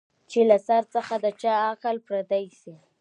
چي له سر څخه د چا عقل پردی سي